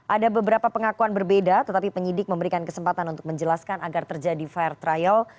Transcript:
ada beberapa pengakuan berbeda tetapi penyidik memberikan kesempatan untuk menjelaskan agar terjadi fair trial